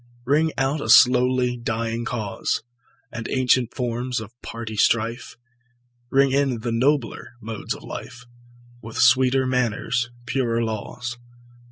Ring out a slowly dying cause, And ancient forms of party strife; Ring in the nobler modes of life, With sweeter manners, purer laws.